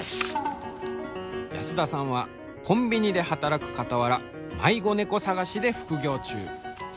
安田さんはコンビニで働くかたわら迷子猫探しで副業中。